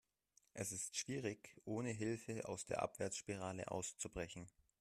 Es ist schwierig, ohne Hilfe aus der Abwärtsspirale auszubrechen.